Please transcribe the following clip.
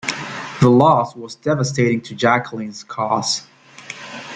The loss was devastating to Jacqueline's cause.